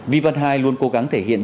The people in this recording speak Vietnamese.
vi văn hai luôn cố gắng thể hiện